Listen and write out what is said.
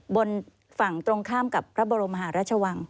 บนฝั่งตรงข้ามกับพระบรมหาราชวัง